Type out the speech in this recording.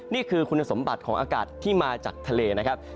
นี่คือคุณสมบัติของอากาศที่มาจากทะเลนะครับ